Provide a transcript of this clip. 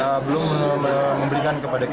so far mereka belum memberikan kepada kpk